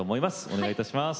お願いいたします。